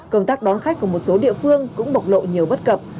công tác đón khách của một số địa phương cũng bộc lộ nhiều bất cập